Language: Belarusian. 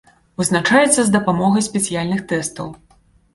Вызначаецца з дапамогай спецыяльных тэстаў.